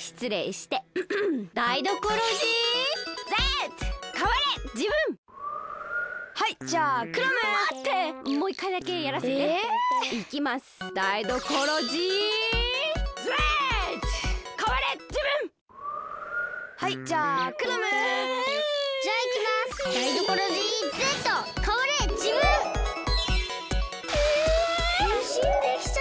へんしんできちゃいました。